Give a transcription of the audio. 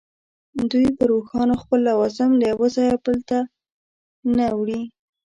دوی پر اوښانو خپل لوازم له یوه ځایه بل ته نه وړي.